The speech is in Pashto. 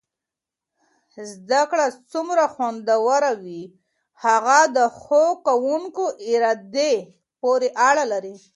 زده کړه څومره خوندور وي هغه د ښو کوونکو ارادې پورې اړه لري.